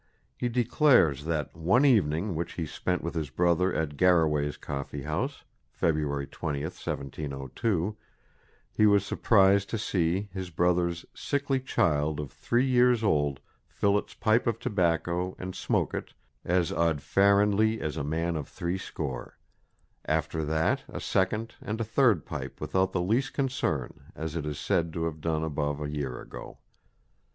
He declares that, one evening which he spent with his brother at Garraway's Coffee house, February 20, 1702, he was surprised to see his brother's "sickly child of three years old fill its pipe of tobacco and smoke it as audfarandly as a man of three score; after that a second and a third pipe without the least concern, as it is said to have done above a year ago."